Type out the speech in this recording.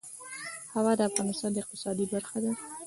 هوا د افغانستان د اقتصاد برخه ده.